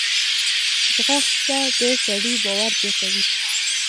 ځغاسته د سړي باور زیاتوي